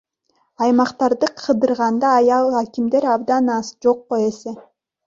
Аймактарды кыдырганда аял акимдер абдан аз, жокко эсе.